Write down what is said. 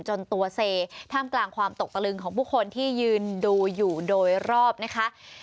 จนตัวเซท่ามกลางความตกตะลึงของผู้คนที่ยืนดูอยู่โดยรอบนะคะ